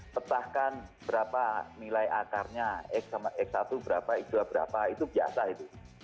petahkan berapa nilai akarnya x satu berapa x dua berapa itu biasa itu